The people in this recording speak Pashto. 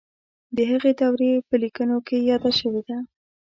د هغې دورې په لیکنو کې یاده شوې ده.